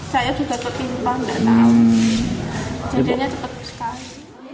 jadinya cepat bersekat